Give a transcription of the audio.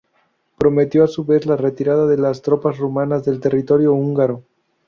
Prometió a su vez la retirada de las tropas rumanas de territorio húngaro.